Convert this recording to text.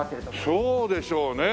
そうでしょうね。